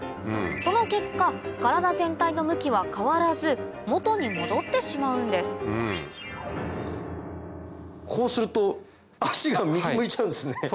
その結果体全体の向きは変わらず元に戻ってしまうんですこうすると足が右向いちゃうんですね。